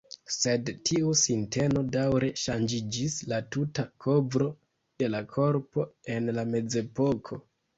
Sed tiu sinteno daŭre ŝanĝiĝis al tuta kovro de la korpo en la mezepoko.